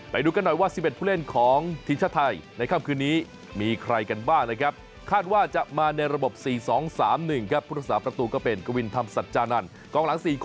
ไปดูกันหน่อยว่า๑๑ผู้เล่นของทีมชาติไทย